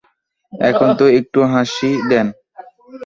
এখন তো একটু হাসি দেন।